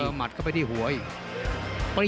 ติดแขนมัดเข้าไปที่หัวอีก